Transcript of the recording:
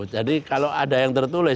jadi kalau ada yang tertulis